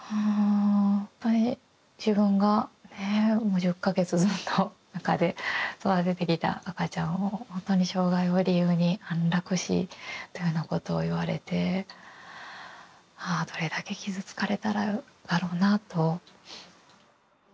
もう１０か月ずっとおなかで育ててきた赤ちゃんをほんとに障害を理由に安楽死というようなことを言われてああどれだけ傷つかれただろうなと。